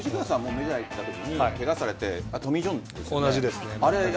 メジャー行ったときにケガされてトミー・ジョンですよね。